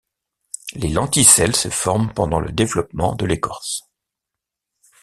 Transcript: Les lenticelles se forment pendant le développement de l'écorce.